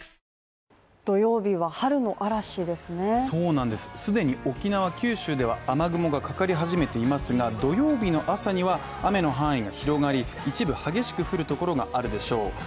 そうなんです、既に沖縄、九州では雨雲がかかり始めていますが土曜日の朝には雨の範囲が広がり一部激しく降るところがあるでしょう。